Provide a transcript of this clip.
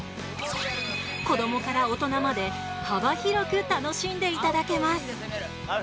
子どもから大人まで幅広く楽しんで頂けます。